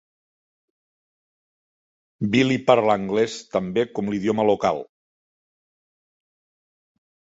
Billy parla anglès tant bé com l'idioma local.